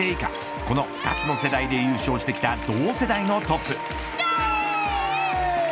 この２つの世代で優勝してきた同世代のトップ。